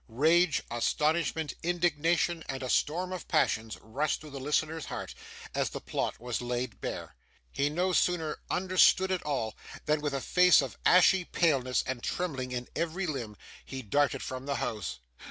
Rage, astonishment, indignation, and a storm of passions, rushed through the listener's heart, as the plot was laid bare. He no sooner understood it all, than with a face of ashy paleness, and trembling in every limb, he darted from the house.